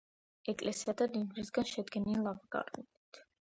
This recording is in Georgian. ეკლესია და ლილვისაგან შედგენილი ლავგარდნით.